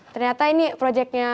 ternyata ini projeknya